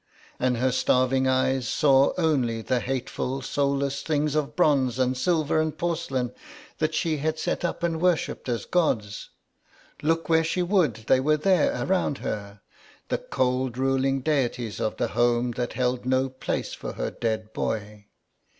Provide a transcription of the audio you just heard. And her starving eyes saw only the hateful soulless things of bronze and silver and porcelain that she had set up and worshipped as gods; look where she would they were there around her, the cold ruling deities of the home that held no place for her dead boy.